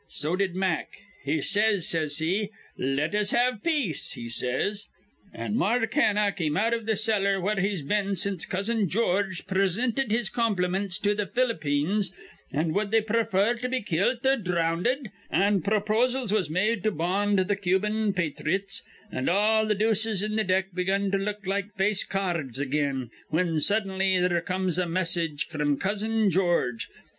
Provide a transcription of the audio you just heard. So did Mack. He says, says he, 'Let us have peace,' he says. An' Mark Hanna came out iv' th' cellar, where he's been since Cousin George presinted his compliments to th' Ph'lippines an' wud they prefer to be kilt or dhrownded, an' pro posals was made to bond th' Cubian pathrites, an' all th' deuces in th' deck begun to look like face car rds again, whin suddently there comes a message fr'm Cousin George.